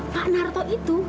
pak narto itu